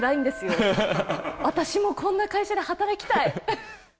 私もこんな会社で働きたい！